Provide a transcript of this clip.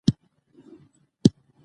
انګریزان په چابکۍ راتلل.